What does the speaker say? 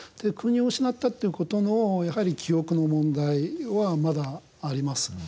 国を失ったという事のやはり記憶の問題はまだあります。